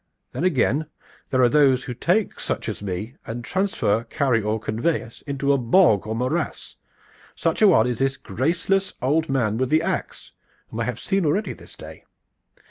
Then again, there are those who take such as me and transfer, carry or convey us into a bog or morass. Such a one is this graceless old man with the ax, whom I have seen already this day.